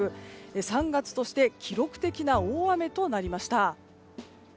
３月として記録的な大雨となりました。